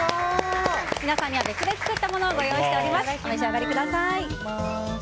皆さんには別で作ったものをご用意しております。